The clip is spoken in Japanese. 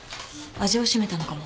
味をしめたのかも。